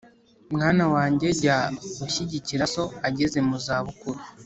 Mwana wanjye, jya ushyigikira so ageze mu za bukuru,